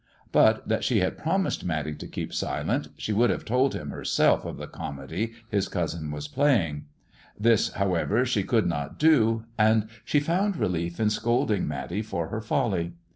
But that she had promised Matty to keep silent, she would have told him herself of the comedy his 184 MISS JONATHAN cousin was playing. This, however, she could not do, and she found relief in scolding Matty for her folly.